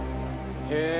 へえ。